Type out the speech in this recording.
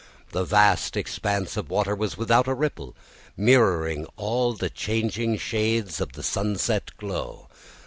The vast expanse of water was without a ripple, mirroring all the changing shades of the sunset glow.